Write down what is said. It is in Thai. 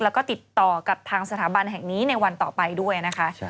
แล้วก็ติดต่อกับทางสถาบันแห่งนี้ในวันต่อไปด้วยนะคะ